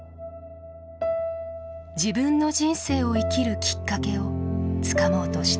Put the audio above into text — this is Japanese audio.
自分の人生を生きるきっかけをつかもうとしていた。